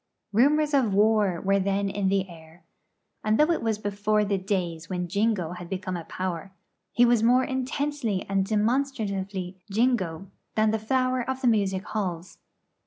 Rumours of war were then in the air; and though it was before the days when Jingo had become a power, he was more intensely and demonstratively Jingo than the flower of the music halls.